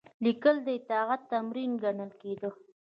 لیکل د اطاعت تمرین ګڼل کېده.